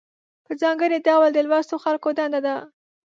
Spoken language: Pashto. په ځانګړي ډول د لوستو خلکو دنده ده.